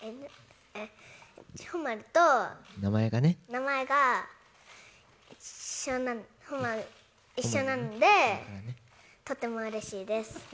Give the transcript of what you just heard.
名前が、一緒、誉、一緒なのでとてもうれしいです。